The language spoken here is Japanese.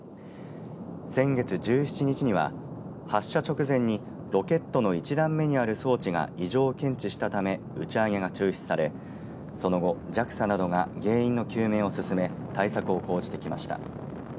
先月１７日には発射直前にロケットの１段目にある装置が異常を検知したため打ち上げが中止されその後、ＪＡＸＡなどが原因の究明を進め対策を講じてきました。